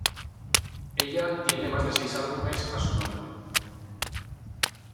Ella tiene más de seis álbumes a su nombre.